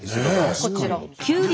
こちら。